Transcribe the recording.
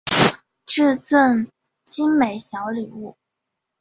致赠精美小礼物